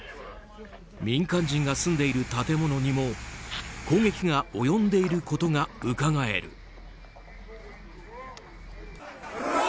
民間人が住んでいる建物にも攻撃が及んでいることがうかがえる。